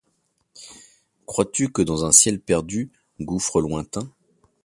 Crois-tu que dans un ciel perdu, gouffre lointain